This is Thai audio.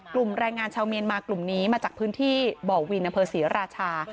แรงงานชาวเมียนมากลุ่มนี้มาจากพื้นที่บ่อวินอำเภอศรีราชา